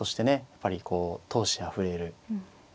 やっぱりこう闘志あふれる振り飛車。